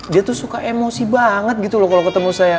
dia tuh suka emosi banget gitu loh kalau ketemu saya